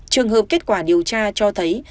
trường hợp kết quả điều tra cho thấy